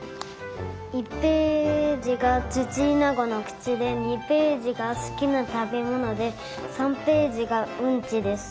１ページがツチイナゴのくちで２ページがすきなたべもので３ページがうんちです。